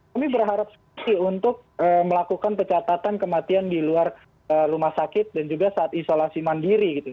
kami berharap untuk melakukan pencatatan kematian di luar rumah sakit dan juga saat isolasi mandiri gitu